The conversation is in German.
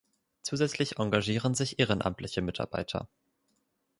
Zusätzlich engagieren sich ehrenamtliche Mitarbeiter.